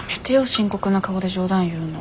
深刻な顔で冗談言うの。